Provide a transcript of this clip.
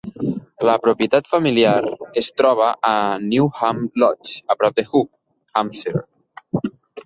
La propietat familiar es troba a Newham Lodge, a prop de Hook, Hampshire.